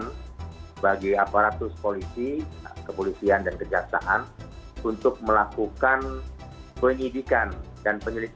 dan penyelidikan penyelidikan dan penyelidikan penyelidikan dan penyelidikan penyelidikan dan penyelidikan penyelidikan dan penyelidikan penyelidikan